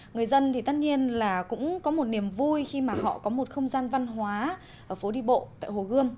người dân thì tất nhiên là cũng có một niềm vui khi mà họ có một không gian văn hóa phố đi bộ tại hồ gươm